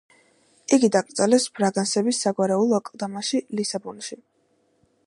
იგი დაკრძალეს ბრაგანსების საგვარეულო აკლდამაში, ლისაბონში.